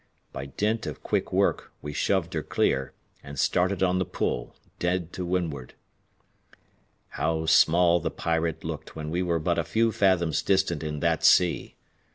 By dint of quick work we shoved her clear, and started on the pull, dead to windward. How small the Pirate looked when we were but a few fathoms distant in that sea!